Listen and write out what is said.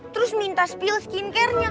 terus minta spill skincarenya